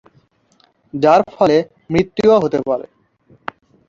যার ফলে মৃত্যুও হতে পারে।